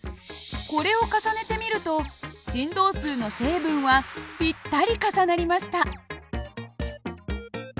これを重ねてみると振動数の成分はぴったり重なりました。